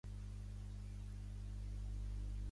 Hi tenen lloc actes religiosos i bous, sobretot.